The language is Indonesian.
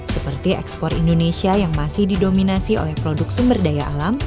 seperti ekspor indonesia yang masih didominasi oleh produk sumber daya alam